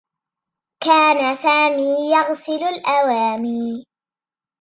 كان سامي يغسل الأواني.